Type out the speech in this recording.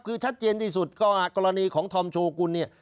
คือชัดเย็นที่สุดก็อ่ากรณีของทำโชคุณเนี่ย